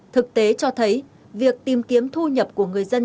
thực tế cho thấy việc tìm kiếm thu nhập của người dân